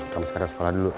kamu sekadar sekolah dulu